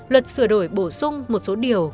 luật sửa đổi bổ sung một số điều